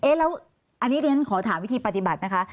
อ่าเอ๊ะแล้วอันนี้ด้วยนั้นขอถามวิธีปฏิบัตินะคะ